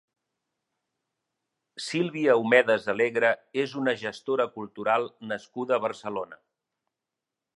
Silvia Omedes Alegre és una gestora cultural nascuda a Barcelona.